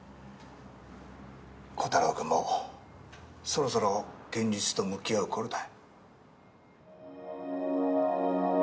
コタローくんもそろそろ現実と向き合う頃だ。